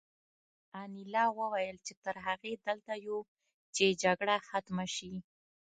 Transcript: انیلا وویل چې تر هغې دلته یو چې جګړه ختمه شي